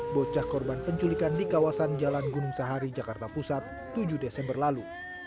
bocah korban penculikan di kawasan jalan gunung sahari jakarta pusat tujuh desember lalu